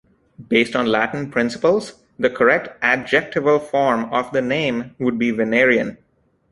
Based on Latin principles, the correct adjectival form of the name would be Venerean.